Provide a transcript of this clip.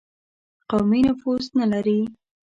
قومي نفوذ نه لري.